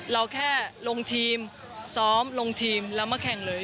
เราแค่ลงทีมซ้อมลงทีมแล้วมาแข่งเลย